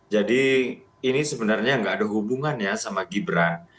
jadi ini sebenarnya tidak ada hubungannya sama gibran